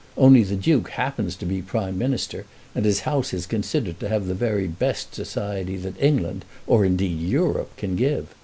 Only the Duke happens to be Prime Minister, and his house is considered to have the very best society that England, or indeed Europe, can give.